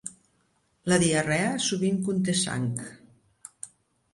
La diarrea sovint conté sang.